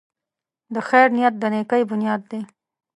د خیر نیت د نېکۍ بنیاد دی.